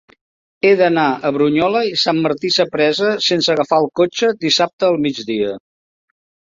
He d'anar a Brunyola i Sant Martí Sapresa sense agafar el cotxe dissabte al migdia.